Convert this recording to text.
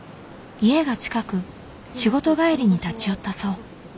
家が近く仕事帰りに立ち寄ったそう。